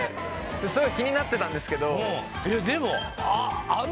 すごい気になってたんですけどでもあの